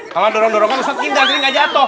kalo dorong dorongan ustadz pindah jadi gak jatoh